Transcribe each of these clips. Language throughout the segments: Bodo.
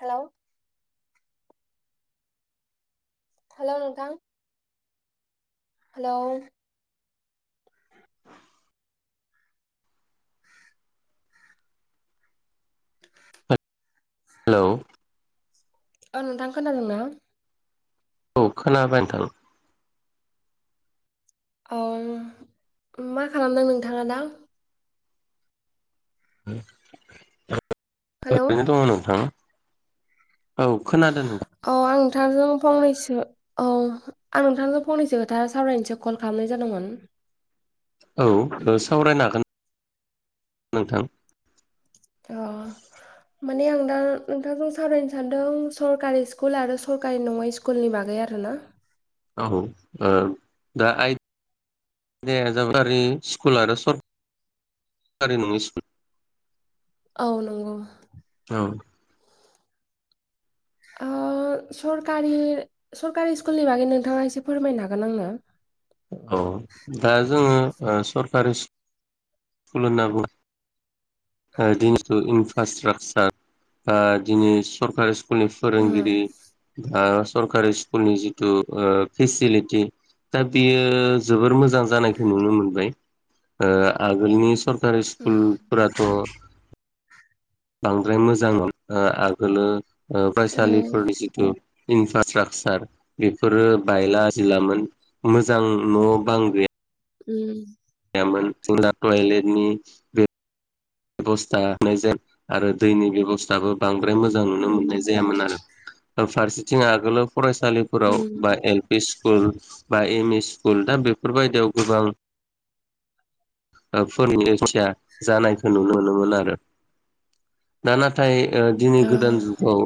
हेल' हेल' नोंथां हेलौ [unintelligible] हेलौ औ नोंथां खोनादों ना औ खोनाबाय नोंथां ओम मा खालामदों नोंथाङा दा हेलौ ओरैनो दङ नोंथां औ खोनादों औ आं नोंथांजों फंनैसो औ आं नोंथांजों फंनैसो खोथा सावरायनोसो कल खालामनाय जादोंमोन औ सावरायनो हागोन नोंथां अ- माने आं दा नोंथांजों सावरायनो सानदों सरकारि स्कुल आरो सरकारि नङै स्कुल स्कुलनि बागै आर ना औ दा आय दे [unintelligible] जाबायारि स्कुल आरो सरकारि नङै स्कुल औ नंगौ औ आ सरखारनि सरकारि स्कुलनि बागै नोंथाङा एसे फोरमायनो हागोन आंनो औ दा जोङो सरकारि सि खुलहोनना बुङो ओ दिनैथु इनफ्रास्ट्राकचार ओ दिनै सरकारि स्कुलनि फोरोंगिरि उम बा सरकारि स्कुलनि जिथु फेसिलिटि दा बियो जोबोर मोजां जानायखौ नुनो मोनबाय आगोलनि सर [unintelligible] स्कुल उम फोराथ' [inaudible] बांद्राय मोजांमोन आगोलो फरायसालिफोरनि [unintelligible] बेफोरो बायला जिलामोन मोजां न' बां गैया उम गैयामोन जोंना टयलेटनि बे बेबस्थानाय जाया आरो दैनि बेब'स्थाबो बांद्राय मोजां उम नुनो मोननाय जायामोन आरो फारसेथिं आगोलाव फरायसालिफोराव उम बा एल पि स्कुल बा एम इ स्कुल दा बेफोरबायदियाव गोबां फोरनोथिया जानाय नुनो मोनोमोन आरो दा नाथाय दिनै ओ गोदान जुगाव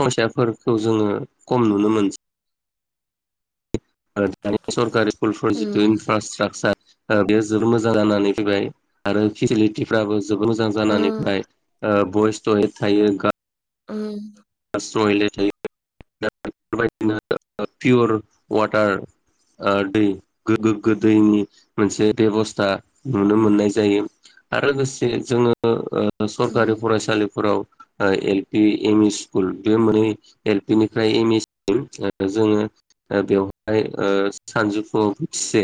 फैसाफोरखौ जोङो खम नुनो मोनसै आरो दानि सरकुलफोर अ जिथु इनफ्रास्ट्राकसार बेयो जोबोर मोजां जानानै फैबाय आरो फेसिलिटिफ्राबो जोबोर मोजां जानानै बयस टयेद थायो गा ओम [unintelligible] बेबायदिनो पियर वाटार दै गो गोग्गो दैनि मोनसे बेबस्था नुनो मोननाय जायो आरो लोगोसे जोङो सरखारि फरायसालिफोराव एल पि एमइस स्कुल बे मोननै एल पि निफ्राय एम इ सिम जोङो बेवहाय सानजौफु बोथिसे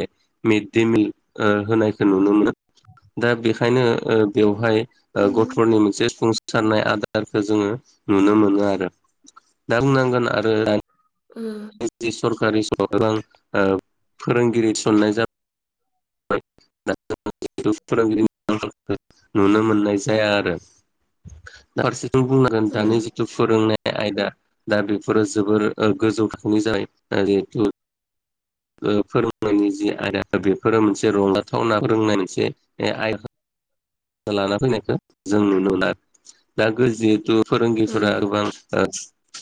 मिड े मिल होनायखौ नुनो मोनो दा बेखायनो बेवहाय गथ'नि मोनसे संसारनाय आदारखौ जोङो नुनो मोनो दा आरो दा बुंनांगोन आरो [inaudible] जि सरकारि फोरोंगिरि थिननाय जाबाय [inaudible] फोरोंगिरि नुनो मोननाय जाया आरो दा बुं द जिथ फोरोंनाय आयदा दा बेफोरो जोबोर गोजौ थाखोनि जाबाय जिथु फोरोंनायनि जि आयदा बेफोरो मोनसे रंजाथावना रोंनाय मोनसे आय लाना फैनायखौ जों नुनो मोना दा जिहेथु फोरोंगिरिफोरा गोबां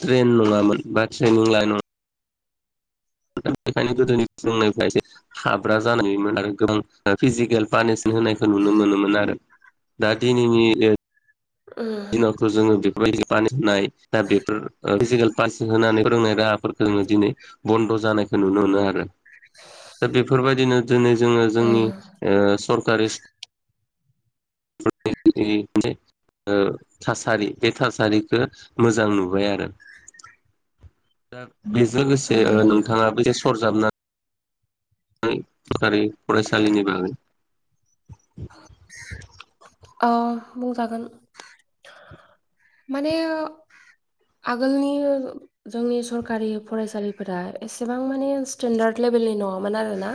ट्रेन नङामोन बा ट्रेनिं लानाय नङोन दा बेखायनो गोदोनि जोंनिफ्राय एसे हाब्रा जानायमोन आरो गोबां फिजिकेल पानिसमेन होनायखौ नुनो मोनोमोन आरो दा दिनैनि दिनावथ' जोङो बेफोरबायदि पानेस होनाय दा बेफोर फिजिकेल प होनानै फोरोंनाय रा [unintelligible] दिनै बन्द' जानाय नुनो मोनो आरो दा बेफोरबायदिनो दिनै जोङो जोंनि ओ सरकारि सि [unintelligible] ओ थासारि बे थासारिखौ मोजां नुबाय आरो दा बेजों लोगोसे नोंथाङाबो जे सरजाबनानै सरखारि फरायसालिनि बागै अ बुंजागोन माने आगोलनि जोंनि सरकारि फरायसालिफोरा एसेबां मानि स्टेन्डार्द लेभेलनि नङामोन आरोना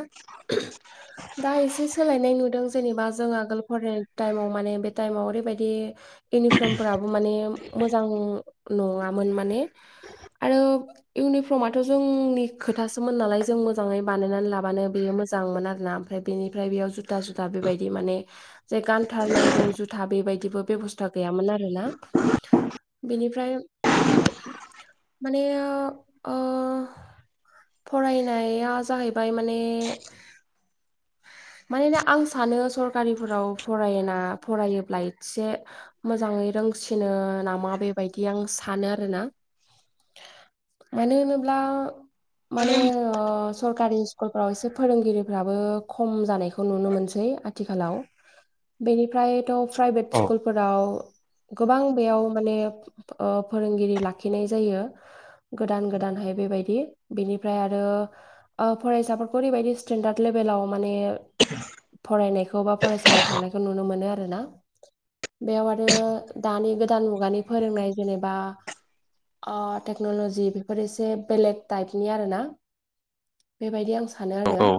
दा एसे सोलायनाय नुदों जेनेबा जों आगोल फरायनाय टाइमाव माने बे टाइमाव ओरैबायदि इउनिफर्मफोराबो माने मोजां नङामोन माने आरो इउनिफर्मआथ' जोंनि खोथासोमोन नालाय जों मोजाङै बानायनानै लाबानो बेयो मोजांमोन आरोना बेनिफ्राय बेयाव जुथा जु बेबायदि माने जे गानथार नांगौ जुथा बेबायदिबो बेबस्था गैयामोन आरो ना बेनिफ्राय माने ओ फरायनाया जाहैबाय माने मानेना आं सानो सरकारिफोराव फरायना फरायोब्ला एसे मोजाङै रोंसिनो नामा बेबायदि आं सानो आरोना मानो होनोब्ला माने ओ सरकारि स्कुलफ्राव एसे फोरोंगिरिफ्राबो खम जानायखौ नुनो मोनसै आथिखालाव बेनिफ्रायथ प्रायभेट सिखुल फोराव गोबां बेयाव माने ओ फोरोंगिरि लाखिनाय जायो गोदान गोदानहाय बेबायदि बिनिफ्राय आरो ओ फरायसाफोरखौ ओरैबायदि स्टेेनडार्द लेभेलाव माने [inaudible] फरायनायखौ बा फरायसालियाव थांनायखौ नुनो मोनो आर ना बेयाव आरो दानि गोदान मुगानि फोरोंनाय जेनेबा ओ टेक्न'ल'जि बेफोर एसे बेलेग टाइपनि आरो ना बेबायदि आं सा सानो औ आरो औ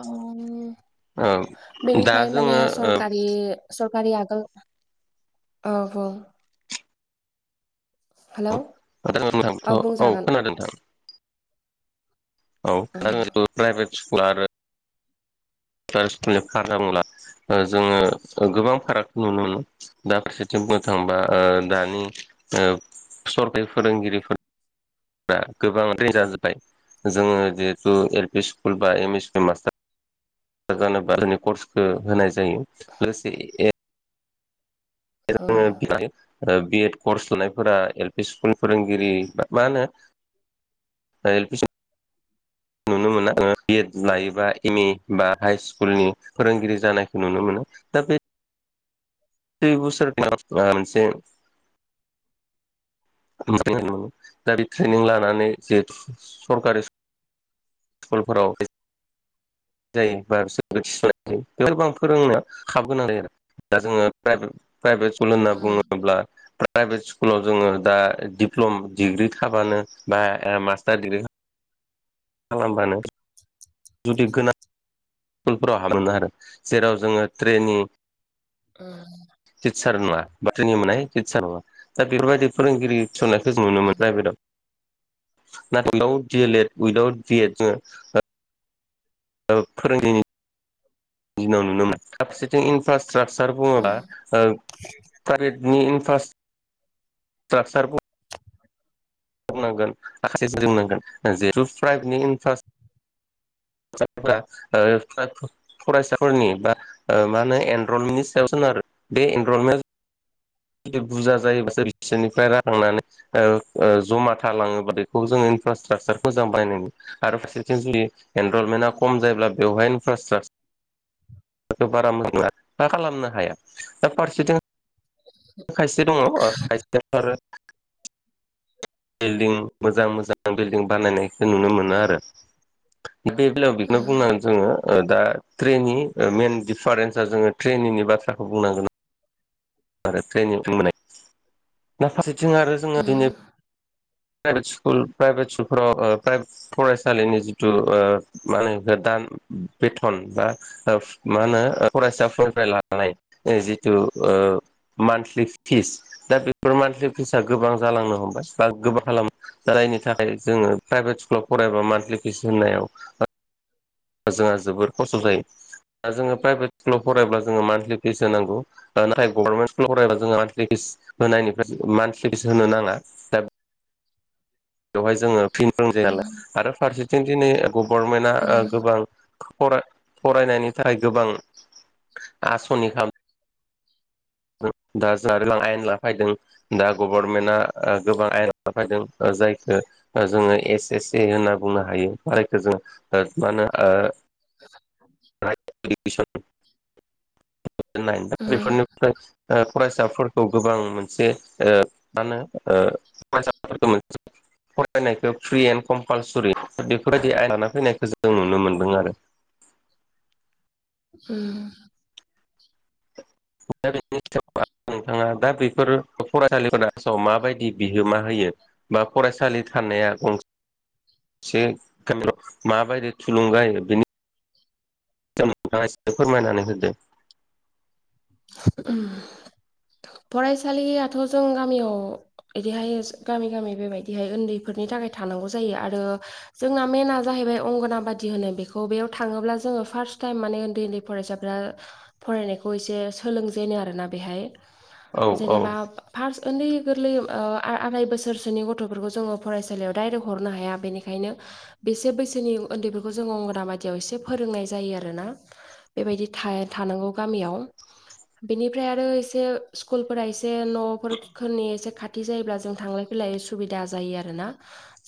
ओं औ दा बेनिफ्राय माने जोङो ओ सरकारि सरकारि आगोल औ औ हेलौ औ नोंथांथ' औ खोनादों नोंथां औ उम दा प्राइभेट स्कुल आरो [unintelligible] ओ जोङो गोबां फाराग नुनो मोनो दा फारसेथिं बुंनो थांबा ओ दानि सरखारि फोरोंगिरिफोर बा गोबां दिन जाजोब्बाय जोङो जिहेथु एल पि स्कुल बा एम इ स्कुल मास्टार जानोबा जोंनि कर्सखौ होनाय जायो लोगोसे जोङो उम बि एड कर्स लानायफोरा एल पि स्कुल फोरोंगिरि मा होनो [unintelligible] नुनो मोना आङो बि एड लायोबा एम ए बा हाइ स्कुलनि फोरोंगिरि जानायखौ नुनो मोनो दा बे [unintelligible] [unintelligible] दा बे ट्रेनिं लानानै जिहेथु सरकारि स्कुलफोराव जायो बा सोरनाय जायो बेफोरबो आं फोरोंनाया हाबगोन आरो दा जोङो प्रभे प्राइभेट सल होनना उम बुङोब्ला प्राइभेट स्कुलाव जोङो दा डिप्ल'म डिग्रि थाबानो बा मास्टार डिग्रि खालामबानो [inaudible] जुदि गोनां स्कुलफोराव हाबोमोन आरो जेराव जोङो ट्रेनि ओ टिचार नोंङा बा [unintelligible] टिचार नोंङा दा बेफोरबायदि फोरोंगिरि थिसननायखौ जों नुनो [unintelligible] [unintelligible] उइद दावउद जोंङो [unintelligible] [unintelligible] दिनाव नुनो मोनो फारसेथिं इनफ्रास्ट्राकसार उम बुंङोब्ला ओ प्राइभेटनि इनफ्रास् [unintelligible] [unintelligible] [unintelligible] फरायसाफोरनि बा मा होनो एनरलमेन्टनि सायाव सोनारो बे एनरलमेन्ट जुदि बुरजा जायोबासो बिसोरनिफ्राय राननानै ओ ओ जमा थालांङोबा बेखौ जोंङो इनफ्रास्ट्राकसार मोजां [unintelligible] आरो फारसेथिं जुदि एनरलमेन्टआ खम जायोब्ला बेवहाय इनफ्रास्ट्राक [unintelligible] [unintelligible] खालामनो हाया दा फारसेथिं खायसे दंङ ओ खायसेयावथ' आरो बिल्डिं मोजां मोजां बिल्डिं बानायनायखौ नुनो मोनो आरो। बे बेलायाव बेखौनो उम बुंनांगोन जोंङो ओ दा ट्रेनि मेन डिफारेन्सा जोंङो ट्रेनिनि बाथ्राखौ बुंनांगोन आरो ट्रेनिं मोननाय दा फारसेथिं आरो जोंङो दिनै प्राइभेट स्कुल प्राइभेट स्कुलफ्राव ओ फरायसालिनि जिथु ओ मा होनो गोदान बेथन बा ओफ मा होनो फरायसाफोरनिफ्राय लानानै जिथु ओ मान्थलि फिस दा बेफोर मान्थलि फिसा गोबां जालांनो हमबाय बा गोबां खालाम जायनि थाखाय जोंङो प्राइभेट स्कुलाव फरायबा मान्थलि फिस होनायाव जोंहा जोबोर खस्थ' जायो दा जोंङो प्राइभेट स्कुलाव फरायब्ला जोंङो मान्थलि फिस होनांगौ। ओ नाथाय गभारनमेन्ट स्कुलाव फरायबा जोंङो मान्थलि फिस होनायनिफ्राय मान्थलि फिस होनो नांङा दा बेवहाय जोंङो फिन [unintelligible] फारसेथिं दिनै गभर्नमेन्टआ उम गोबां फरा फरायनायनि थाखाय गोबां आस'नि खालाम [unintelligible] दा गभर्नमेन्टआ गोबां आयेन [unintelligible] दा फायदों जायखो ओ जोंङो एस एस सि होनना बुंनो हायो बायखौ जोंङो। ओ मानो ओ उम [unintelligible] [unintelligible] फरायसाफोरखौ गोबां मोनसे ओ मा होनो [unintelligible] फरायनायखौ फ्रि एण्ड कम्पालसरि बेफोरबायदि आयन लाना फैनायखौ जों नुनो मोन्दों आरो। ओम [unintelligible] नोंथाङा दा बेफोर फरायसालिफोर दासाव माबायदि बिहोमा होयो? बा फरायसालि थानाया गंस [unintelligible] माबायदि थुलुंगा होयो बिनि [unintelligible] फोरमायनानै होदो। फरायसालियाथ' जों गामियाव ओरैहाय गामि गामि बेबायदिहाय उन्दैफोरनि थाखाय थानांगौ जायो आरो जोंना मेेनना जाहैबाय अंगनाबादि होनो बेखौ बेयाव थांङोब्ला जोंङो फार्स्ट टाइम माने उन्दै उन्दै फसाफोरा फरायनायखौ एसे सोलोंजेनो आरोना बेहाय औ जेनेबा फार्स्ट उन्दै गोरलै ओ आराय बोसोरसोनि गथ'फोरखौ जोंङो फरायसालियाव डाइरेक्ट हरनो हाया बेनिखायनो बेसे बैसोनि उन्दैफोरखौ जों अंगनाबादियाव एसे फोरोंनाय जायो आरो ना बेबायदि थाय थानांगौ गामियाव बेनिफ्राय आरो एसे स्कुलफोरा एसे न'फोरखोनि एसे खाथि जायोब्ला जों थांलाय फैलाय सुबिदा जायो आरोना।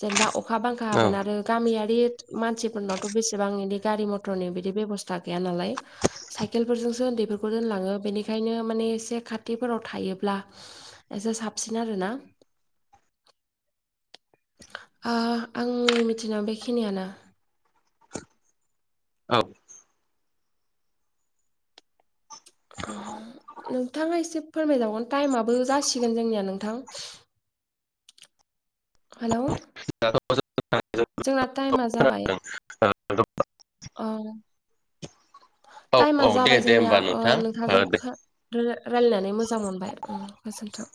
जेनेबा अखा- बांखा औ हागोन आरो गामियारि मानसिफोरनावथ' बेसेबां बिनि गारि मथर मटरनि बिदि बेबसथा गैयानालाय, साइकेलफोरजोंसो बेफोर बेखौ दोनलाङो बेनिखायनो माने एसे खाथिफोराव थायोब्ला एसे साबसिन आरोना। आ आंनि मिथिनायाव बेखिनियानो। औ ओ नोंथांङा एसे फोरमायजावगोन टाइमाबो जासिगोन जोंनिया नोंथां। हेलोव [unintelligible] जोंना टाइमा जाबाय औ औ टाइमा औ दे जाबाय दे जोंनिया होमबा अ नोंथां ओ नोंथांजों दे [unintelligible] रायलायनानै मोजां मोनबाय ओम गोजोन्थों।